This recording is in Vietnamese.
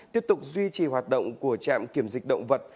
tiếp tục duy trì hoạt động của trạm kiểm dịch động vật